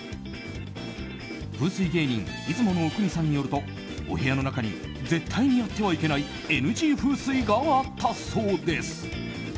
風水芸人・出雲阿国さんによるとお部屋の中に絶対にやってはいけないＮＧ風水があったそうです。